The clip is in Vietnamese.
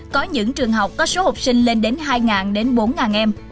có những trường học có số học sinh lên đến hai đến bốn em